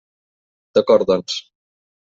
D'acord, doncs.